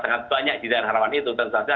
sangat banyak di daerah rawan itu tentu saja